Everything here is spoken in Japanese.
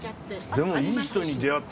でもいい人に出会った。